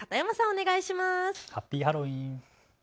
お願いします。